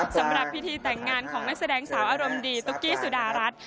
สำหรับพิธีแต่งงานของนักแสดงสาวอารมณ์ดีตุ๊กกี้สุดารัฐ